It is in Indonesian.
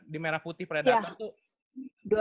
di merah putih predator tuh